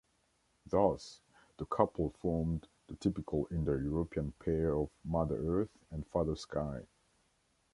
Thus the couple formed the typical Indo-European pair of mother-earth and father-sky.